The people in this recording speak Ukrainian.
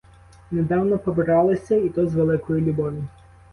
Недавно побралися, і то з великої любові.